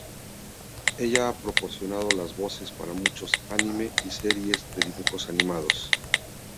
Ella ha proporcionado las voces para muchos anime y series de dibujos animados.